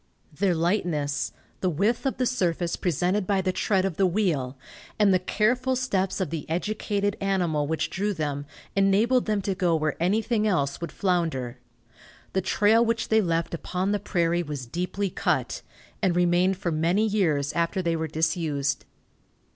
Their lightness, the width of the surface presented by the tread of the wheel and the careful steps of the educated animal which drew them, enabled them to go where anything else would flounder. The trail which they left upon the prairie was deeply cut, and remained for many years after they were disused.